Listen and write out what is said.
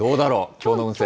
きょうの運勢。